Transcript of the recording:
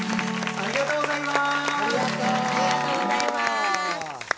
ありがとうございます！